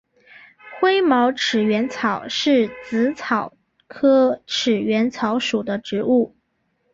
灰毛齿缘草是紫草科齿缘草属的植物。